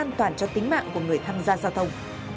an toàn cho tính mạng của người tham gia giao thông